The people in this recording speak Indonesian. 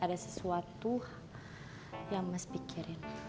ada sesuatu yang mas pikirin